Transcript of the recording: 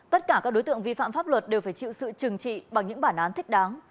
tất cả các đối tượng vi phạm pháp luật đều phải chịu sự trừng trị bằng những bản án thích đáng